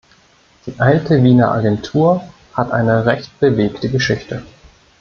Die alte Wiener Agentur hat eine recht bewegte Geschichte.